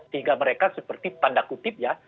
sehingga mereka seperti tanda kutip ya